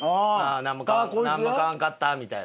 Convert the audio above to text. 「なんも買わんかった」みたいな。